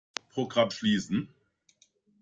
Programm schließen.